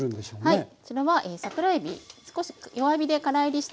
はい。